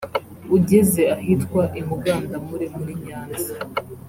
ugeze ahitwa i Mugandamure muri Nyanza